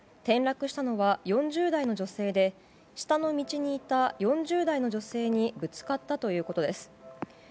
転落したのは４０代の女性で下の道にいた４０代の女性にぶつかったということです。